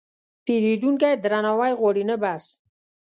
پیرودونکی درناوی غواړي، نه بحث.